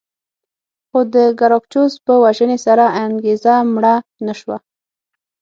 خو د ګراکچوس په وژنې سره انګېزه مړه نه شوه